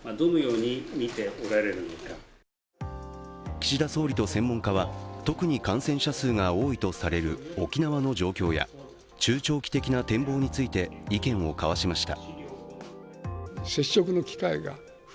岸田総理と専門家は特に感染者数が多いとされる沖縄の状況や中長期的な展望について意見を交わしました。